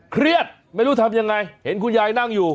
เครียดไม่รู้ทำยังไงเห็นคุณยายนั่งอยู่